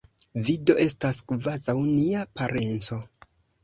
Vi do estas kvazaŭ nia parenco.